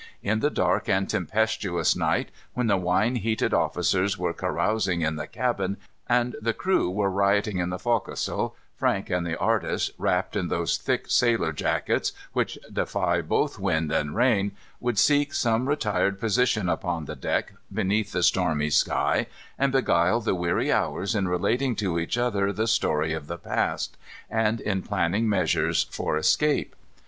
In the dark and tempestuous night, when the wine heated officers were carousing in the cabin, and the crew were rioting in the forecastle, Frank and the artist, wrapped in those thick sailor jackets which defy both wind and rain, would seek some retired position upon the deck, beneath the stormy sky, and beguile the weary hours in relating to each other the story of the past, and in planning measures for escape.